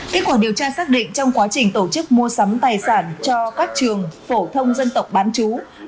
kết quả điều tra xác định trong quá trình tổ chức mua sắm tài sản cho các trường phổ thông dân tộc bán chú